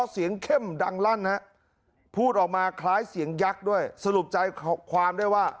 สั่นเทิม